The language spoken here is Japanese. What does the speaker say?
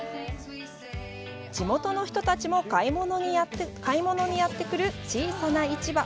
地元の人たちも買い物にやってくる小さな市場。